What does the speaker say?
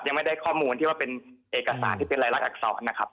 ยังไม่ได้ข้อมูลที่ว่าเป็นเอกสารที่เป็นรายลักษณอักษรนะครับ